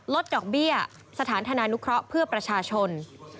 ดอกเบี้ยสถานธนานุเคราะห์เพื่อประชาชน